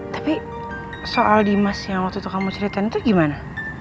tapi soal dimas yang waktu itu kamu ceritain itu gimana